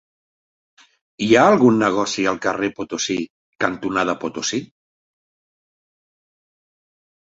Hi ha algun negoci al carrer Potosí cantonada Potosí?